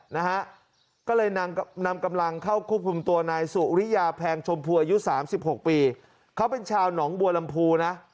นะฮะก็เลยนำนำกำลังเข้าควบคุมตัวนายสุริยาแพงชมพูอายุสามสิบหกปีเขาเป็นชาวหนองบัวลำพูนะ